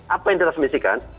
apa yang ditransmisikan